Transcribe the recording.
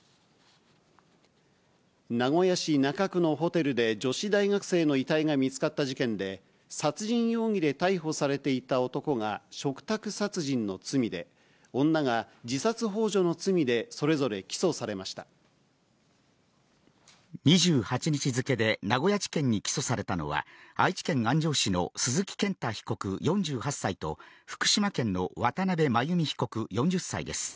名古屋市中区のホテルで、女子大学生の遺体が見つかった事件で、殺人容疑で逮捕されていた男が、嘱託殺人の罪で、女が自殺ほう助２８日付で名古屋地検に起訴されたのは、愛知県安城市の鈴木健太被告４８歳と、福島県の渡邉真由美被告４０歳です。